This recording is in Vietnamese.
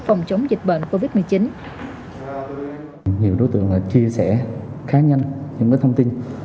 phòng chống dịch bệnh covid một mươi chín nhiều đối tượng chia sẻ khá nhanh những thông tin